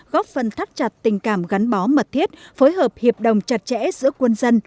góp phần thắt chặt tình cảm gắn bó mật thiết phối hợp hiệp đồng chặt chẽ giữa quân dân